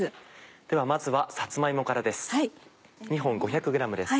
ではまずはさつま芋からです。